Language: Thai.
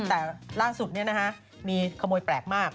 แต่ล่างสุดเนี่ยนะคะมีขโมยแปลกมาก